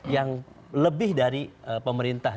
yang lebih dari pemerintah